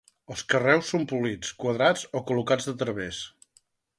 Els carreus són polits, quadrats o col·locats de través.